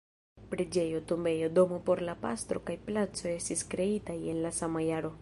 Preĝejo, tombejo, domo por la pastro kaj placo estis kreitaj en la sama jaro.